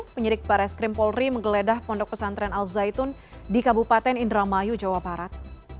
penyidik barai skrim polri menggeledah pondok pesantren al zaitun di kabupaten indramayu jawa barat